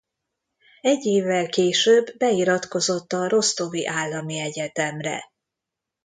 Egy évvel később beiratkozott a Rosztovi Állami Egyetemre.